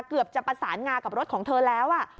เกือบจะประสานงากับรถของเธอแล้ว